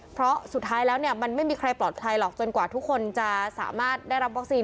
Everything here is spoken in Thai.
เพราะสุดท้ายแล้วเนี่ยมันไม่มีใครปลอดภัยหรอกจนกว่าทุกคนจะสามารถได้รับวัคซีน